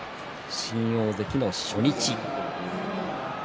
新大関の初日。